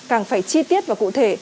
càng phải chi tiết và cụ thể